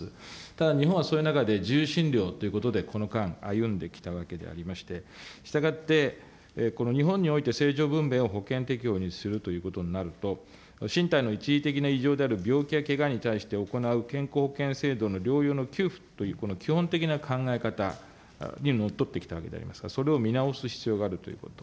ただ日本は、そういう中で自由診療ということでこの間、歩んできたわけでありまして、したがって、この日本において正常分娩を保険適用にするということになると、身体の一時的な異常である病気やけがに対して行う健康保険制度の療養の給付というこの基本的な考え方にのっとってきたわけでありますが、それを見直す必要があるということ。